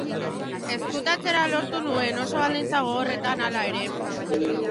Ezkutatzea lortu zuen, oso baldintza gogorretan, hala ere.